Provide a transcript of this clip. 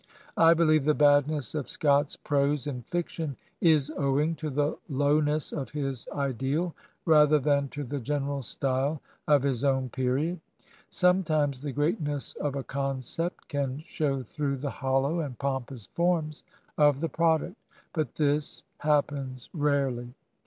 I believe the badness of Scott's prose in fiction is owing to the lowness of his ideal rather than to the general style of his own period. Sometimes the greatness of a concept can show through the hollow and pompous forms of the product ; but this happens rarely.